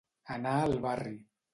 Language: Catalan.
Anar al barri.